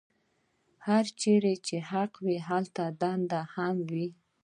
هرچېرې چې حق وي هلته دنده هم وي.